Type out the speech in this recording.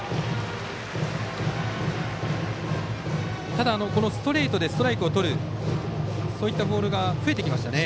ただ、ストレートでストライクをとるそういったボールが増えてきましたね。